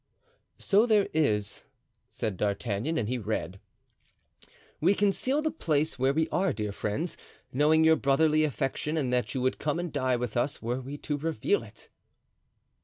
"So there is," said D'Artagnan, and he read: "We conceal the place where we are, dear friends, knowing your brotherly affection and that you would come and die with us were we to reveal it."